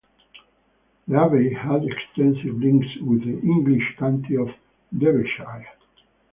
The abbey had extensive links with the English county of Derbyshire.